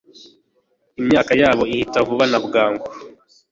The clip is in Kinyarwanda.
imyaka yabo ihita vuba na bwangu